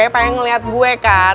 pengen ngeliat gue kan